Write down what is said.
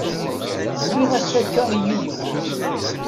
Zwiɣ-as takka i yiwen.